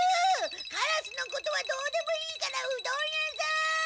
カラスのことはどうでもいいからうどん屋さん！